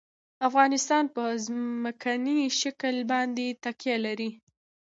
افغانستان په ځمکنی شکل باندې تکیه لري.